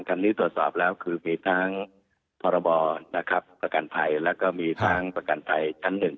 คันนี้ตรวจสอบแล้วคือมีทั้งพรบนะครับประกันภัยแล้วก็มีทั้งประกันภัยชั้นหนึ่ง